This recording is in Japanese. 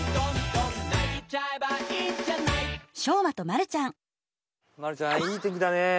まるちゃんいいてんきだね！